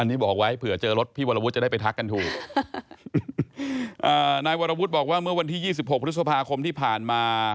อันนี้บอกไว้เผื่อเจอรถพี่วรวุฒิจะได้ไปทักกันถูกอ่านายวรวุฒิบอกว่าเมื่อวันที่ยี่สิบหกพฤษภาคมที่ผ่านมา